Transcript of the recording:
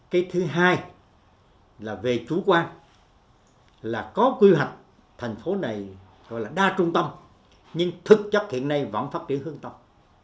cái thứ hai là về chủ quan là có quy hoạch thành phố này gọi là đa trung tâm nhưng thực chất hiện nay vẫn phát triển hướng tâm